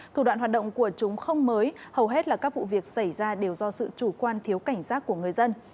thủ đoạn hoạt động của chúng không mới hầu hết là các vụ việc xảy ra đều do sự chủ quan thiếu cảnh giác của người dân